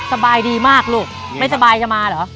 สบายดีมากลูกไม่สบายจะมาเหรอ